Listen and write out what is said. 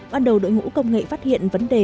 ban đầu đội ngũ công nghệ phát hiện vấn đề